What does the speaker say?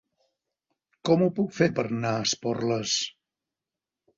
Com ho puc fer per anar a Esporles?